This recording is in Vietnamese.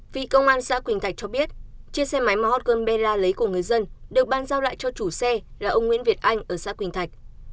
vị công an xã quỳnh thạch cho biết chiếc xe máy mà hot girlberla lấy của người dân được ban giao lại cho chủ xe là ông nguyễn việt anh ở xã quỳnh thạch